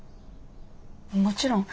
もちろん。